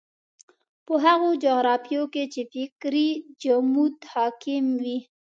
په هغو جغرافیو کې چې فکري جمود حاکم وي.